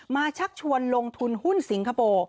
ชักชวนลงทุนหุ้นสิงคโปร์